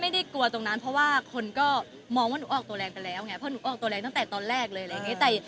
ไม่ได้กลัวตรงนั้นเพราะว่าคนก็มองว่าหนูออกตัวแรงไปร้อยแล้วไง